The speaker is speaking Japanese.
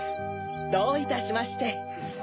どういたしまして。